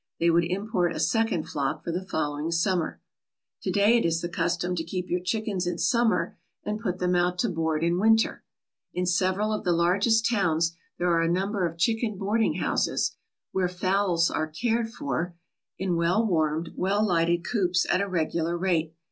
They would import a second flock for the follow ing summer. To day it is the custom to keep your chickens in summer and put them out to board in winter. In several of the largest towns there are a number of chicken boarding houses, where fowls are cared for in 127 ALASKA OUR NORTHERN WONDERLAND well warmed, well lighted coops at a regular rate.